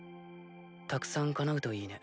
たくさんかなうといいね。